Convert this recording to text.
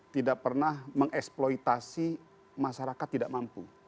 tidak pernah mengeksploitasi masyarakat tidak mampu